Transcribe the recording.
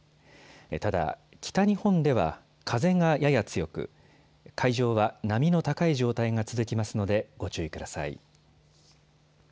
ただ北日本では風がやや強く海上は波の高い状態が続きますのでご注意ください。